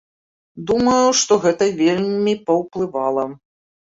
Думаю, што гэта вельмі паўплывала.